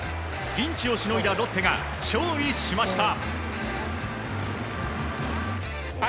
ピンチをしのいだロッテが勝利しました。